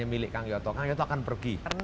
milik kang yoto kang yoto akan pergi